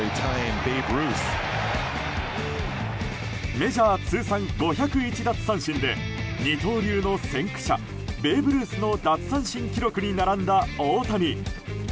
メジャー通算５０１奪三振で二刀流の先駆者ベーブ・ルースの奪三振記録に並んだ大谷。